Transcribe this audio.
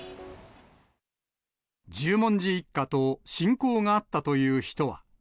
十文字一家と親交があったという人は。